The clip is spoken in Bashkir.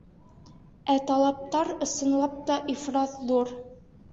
Ә талаптар, ысынлап та, ифрат ҙур.